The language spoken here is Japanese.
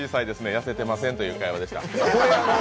痩せてませんという会話でした。